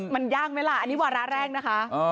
มันยากไหมล่ะอันนี้วาระแรกนะคะ